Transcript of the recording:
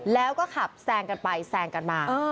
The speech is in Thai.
แล้วก็ขับแซงกันไปแซงกันมา